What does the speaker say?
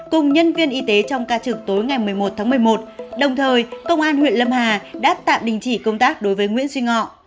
cùng nhân viên y tế trong ca trực tối ngày một mươi một tháng một mươi một đồng thời công an huyện lâm hà đã tạm đình chỉ công tác đối với nguyễn duy ngọ